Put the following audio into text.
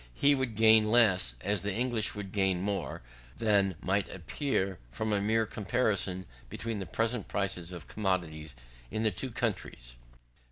He would gain less, as the English would gain more, than might appear from a mere comparison between the present prices of commodities in the two countries.